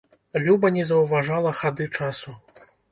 Люба не заўважала хады часу.